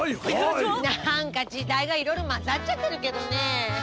なんか時代がいろいろ混ざっちゃってるけどねえ。